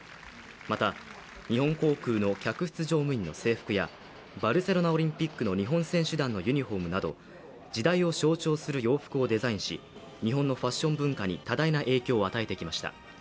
また日本航空の客室乗務員の制服やバルセロナオリンピックの日本選手団のユニフォームなど時代を象徴する洋服をデザインし日本のファッション文化に多大な影響を与えてきました。